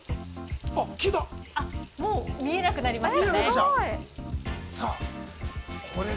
もう見えなくなりました。